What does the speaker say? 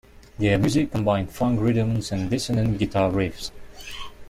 Their music combined funk rhythms and dissonant guitar riffs.